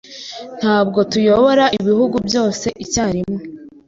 Ntabwo tuyobora ibihugu byose icyarimwe